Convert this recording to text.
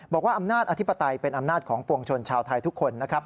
บอกว่าอำนาจอธิปไตยเป็นอำนาจของปวงชนชาวไทยทุกคนนะครับ